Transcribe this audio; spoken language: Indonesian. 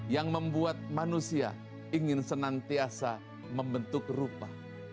yang membuat manusia ingin senantiasa membentuk rupa